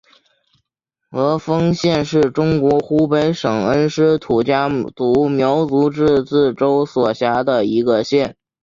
鹤峰县是中国湖北省恩施土家族苗族自治州所辖的一个县。